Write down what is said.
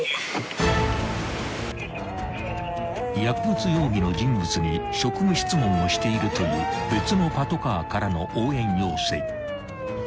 ［薬物容疑の人物に職務質問をしているという別のパトカーからの応援要請］